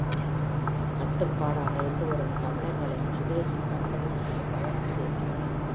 கட்டுப்பாடாக எல்லாரும் தமிழர்களின் சுதேசிக் கப்பலிலேயே பயணம் செய்தார்கள்.